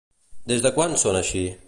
Des de quan són així?